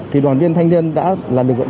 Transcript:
thì đoàn viên thanh niên đã là lực lượng